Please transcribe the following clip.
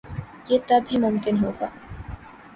یہ تب ہی ممکن ہو گا۔